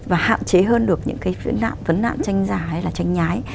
và hạn chế hơn được những cái vấn nạn vấn nạn tranh giả hay là tranh nhái